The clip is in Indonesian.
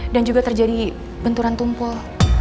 dan juga terjadi benturan tumpul